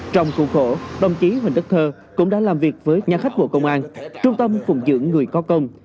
trong khuôn khổ đồng chí huỳnh đức thơ cũng đã làm việc với nhà khách bộ công an trung tâm phụng dưỡng người có công